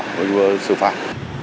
mình vừa xử phạt